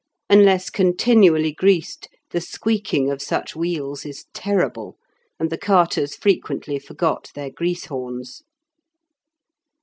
Unless continually greased the squeaking of such wheels is terrible, and the carters frequently forgot their grease horns.